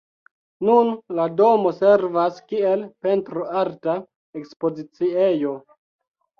Nun la domo servas kiel pentro-arta ekspoziciejo.